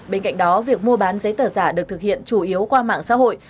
bên cạnh đó việc mua bán giấy tờ giả được thực hiện chủ yếu qua mạng xã hội